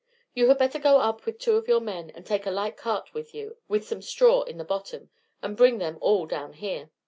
You had better go up with two of your men, and take a light cart with you with some straw in the bottom, and bring them all down here.